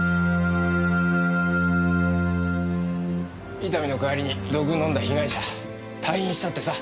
伊丹の代わりに毒を飲んだ被害者退院したってさ。